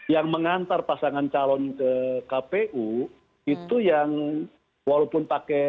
yang mengantar pasangan calon ke kpu itu yang walaupun pakai